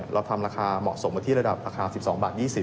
เราทำราคาเหมาะสมมาที่ระดับราคา๑๒บาท๒๐บาท